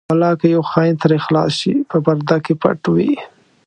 ولاکه یو خاین ترې خلاص شي په پرده کې پټ وي.